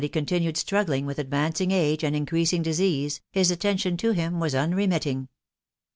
hei continued: struggling with advancing age and: increasing dis ease, his attention to him was unremitting.